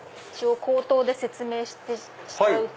口頭で説明しちゃうと。